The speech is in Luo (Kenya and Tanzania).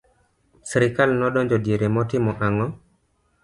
srikal nodonjo diere motimo ang'o?